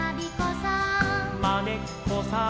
「まねっこさん」